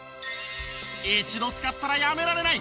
一度使ったらやめられない